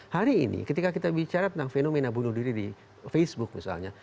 hari ini ketika kita bicara tentang fenomena bunuh diri di facebook misalnya